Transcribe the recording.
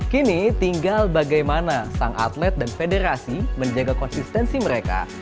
kini tinggal bagaimana sang atlet dan federasi menjaga konsistensi mereka